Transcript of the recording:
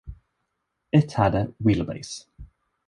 It had a wheelbase.